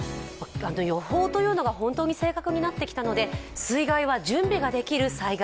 予報というのが本当に正確になってきたので、水害は準備ができる災害。